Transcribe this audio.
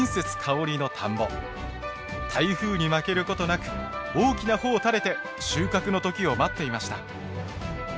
台風に負けることなく大きな穂を垂れて収穫の時を待っていました。